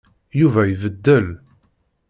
Yuba ibeddel.